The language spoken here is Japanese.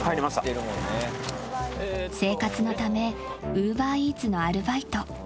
生活のためウーバーイーツのアルバイト。